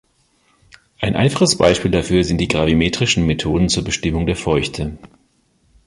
Ein einfaches Beispiel dafür sind die gravimetrischen Methoden zur Bestimmung der Feuchte.